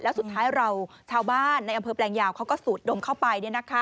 แล้วสุดท้ายเราชาวบ้านในอำเภอแปลงยาวเขาก็สูดดมเข้าไป